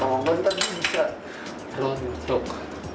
kalau gantar dia bisa rontok